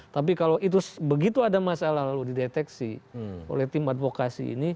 tapi kalau itu begitu ada masalah lalu dideteksi oleh tim advokasi ini